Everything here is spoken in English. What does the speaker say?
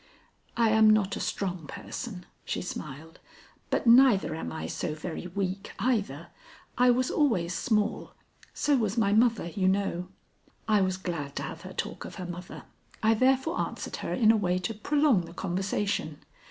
"I am not a strong person," she smiled, "but neither am I so very weak either. I was always small. So was my mother, you know." I was glad to have her talk of her mother. I therefore answered her in a way to prolong the conversation.